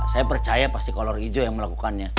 saya percaya pasti kolor hijau yang melakukannya